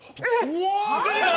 うわ！？